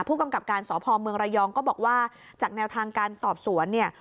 ผู้กำกับการสพเมืองระยองก็บอกว่าจากแนวทางการสอบสวนเนี่ย